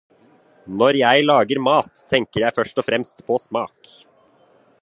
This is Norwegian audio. Når jeg lager mat, tenker jeg først og fremst på smak.